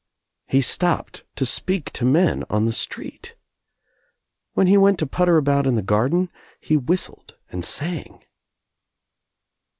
He stopped to speak to men on the street. When he went to putter about in the garden he whistled and sang.